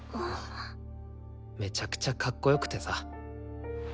めちゃくちゃかっこよくてさ。